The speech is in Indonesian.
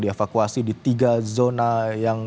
dievakuasi di tiga zona yang